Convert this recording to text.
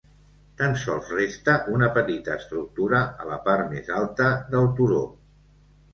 Tan sols resta una petita estructura a la part més alta del turó.